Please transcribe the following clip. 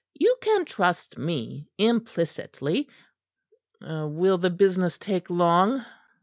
You can trust me implicitly." "Will the business take long?"